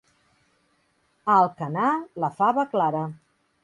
A Alcanar, la fava clara.